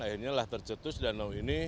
akhirnya lah tercetus danau ini